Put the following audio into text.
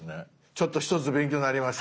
ちょっと一つ勉強になりました。